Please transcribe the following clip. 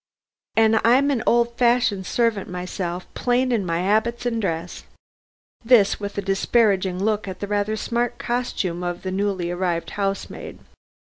An' I'm an old fashioned servant myself, plain in my 'abits and dress." This with a disparaging look at the rather smart costume of the newly arrived housemaid.